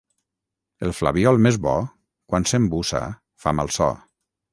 El flabiol més bo, quan s'embussa, fa mal so.